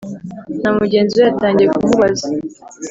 namugenzi we yatangiye kumubaza